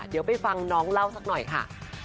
เดี๋ยวไปฟังน้องเล่าสักหน่อยค่ะ